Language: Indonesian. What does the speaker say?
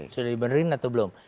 sudah dibenerin atau belum